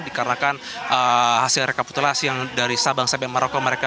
dikarenakan hasil rekapitulasi yang dari sabang sampai maroko mereka